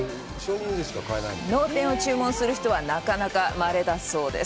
脳天を注文する人はなかなかまれだそうです。